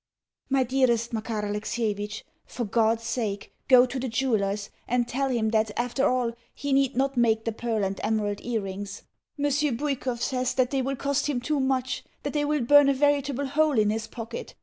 MY DEAREST MAKAR ALEXIEVITCH, For God's sake go to the jeweller's, and tell him that, after all, he need not make the pearl and emerald earrings. Monsieur Bwikov says that they will cost him too much, that they will burn a veritable hole in his pocket.